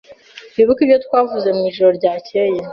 Wibuke ibyo twavuze mwijoro ryakeye?